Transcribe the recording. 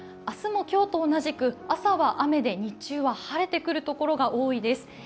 明日も今日と同じく朝は雨で日中は晴れてくる所が多いです。